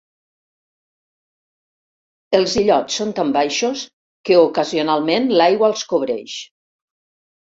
Els illots són tan baixos que ocasionalment l'aigua els cobreix.